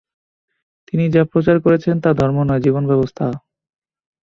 তিনি যা প্রচার করেছেন তা ধর্ম নয়, জীবন ব্যবস্থা।